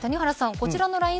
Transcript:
こちらのＬＩＮＥ